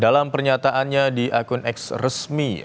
dalam pernyataannya di akun x resmi